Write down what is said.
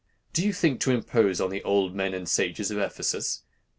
Do you think to impose on the old men and sages of Ephesus?